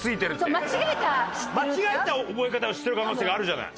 間違えた覚え方をしてる可能性があるじゃない。